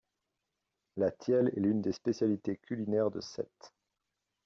La tielle est l'une des spécialités culinaires de Sète.